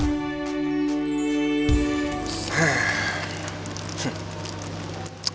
cinta itu anak dari pemilik rumah ini